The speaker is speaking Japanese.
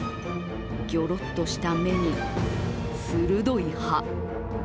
ギョロっとした目に、鋭い歯。